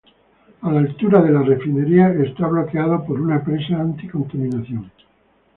A la altura de la refinería está bloqueado por una presa anti-contaminación.